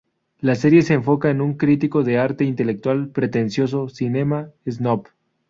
La serie se enfoca en un crítico de arte intelectual pretencioso, Cinema Snob.